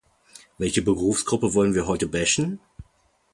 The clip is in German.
Welche Berufsgruppe wollen wir heute bashen?